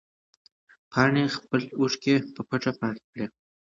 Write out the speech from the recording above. پاڼې خپلې اوښکې په پټه پاکې کړې.